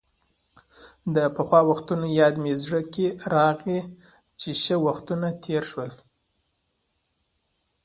د پخوا وختونو یاد مې زړه کې راغۍ، څه ښه وختونه تېر شول.